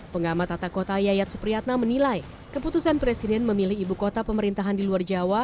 pengamat tata kota yayat supriyatna menilai keputusan presiden memilih ibu kota pemerintahan di luar jawa